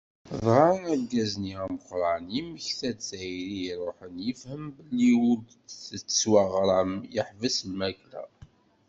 Dγa argaz-nni ameqran, yemmekta-d tayri i iruḥen, yefhem belli ur d-tettwaγram, yeḥbes lmakla.